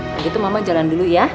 nah gitu mama jalan dulu ya